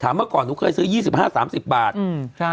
จอบไว้เมื่อก่อนเมื่อก่อนเคยซื้อยี่สิบห้าสามสิบบาทอืมใช่